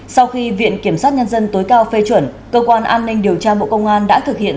sau khi viện kiểm sát nhân dân tối cao phê chuẩn cơ quan an ninh điều tra bộ công an đã thực hiện